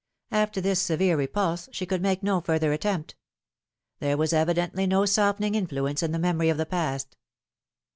After this severe repulse she could make no further attempt. There was evidently no softening influence in the memory of the past.